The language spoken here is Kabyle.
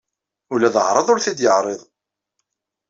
Ula d aɛraḍ ur t-id-yeɛriḍ.